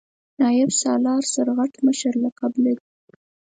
نایب سالار سرغټ مشر لقب لري.